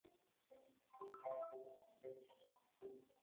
孔循奉命将赵虔等全部族诛。